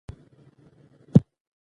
ښوونکی د ټولنې معمار ګڼل کېږي.